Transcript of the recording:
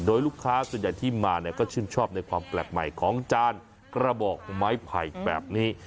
โดยลูกค้าส่วนใหญ่ที่มาเนี่ยก็ชื่นชอบในความแปลกใหม่ของจานกระบอกไม้ไผ่แบบนี้